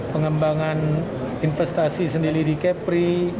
pengembangan investasi sendiri di kepri